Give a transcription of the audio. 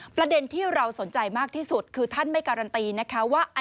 ประเด็นที่เราสนใจมากที่สุดคือท่านไม่การันตีนะคะว่า